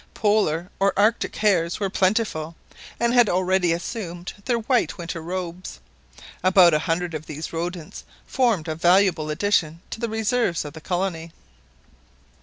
Polar or Arctic hares were plentiful, and had already assumed their white winter robes. About a hundred of these rodents formed a valuable addition to the reserves of the colony.